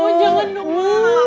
pokoknya jadi dateng